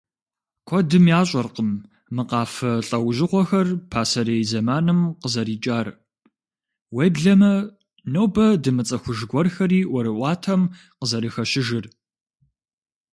Куэдым ящӏэркъым мы къафэ лӏэужьыгъуэхэр пасэрей зэманым къызэрикӏар, уеблэмэ нобэ дымыцӏыхуж гуэрхэри ӏуэрыӏуатэм къызэрыхэщыжыр.